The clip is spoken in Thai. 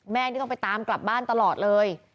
แม่นี่ต้องไปตามกลับบ้านตลอดเลย